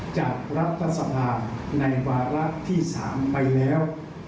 จากรัฐธรรมในวาระที่๓ไปแล้ว